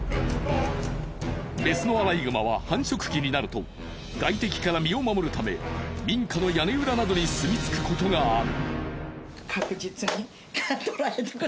メスのアライグマは繁殖期になると外敵から身を守るため民家の屋根裏などに住みつくことがある。